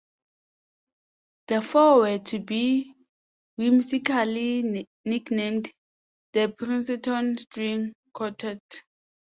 The four were to be whimsically nicknamed the "Princeton String Quartet".